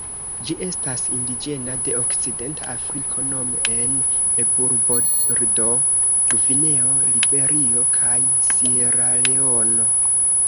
Ĝi estas indiĝena de Okcidenta Afriko nome en Eburbordo, Gvineo, Liberio kaj Sieraleono.